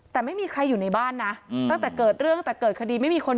แต่ไม่มีใครอยู่ในบ้านนะตั้งแต่เกิดเรื่องตั้งแต่เกิดคดีไม่มีคน